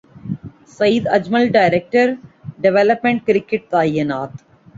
سعید Ajmal director development cricket تعینات